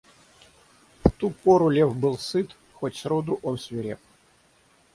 В ту пору лев был сыт, хоть сроду он свиреп.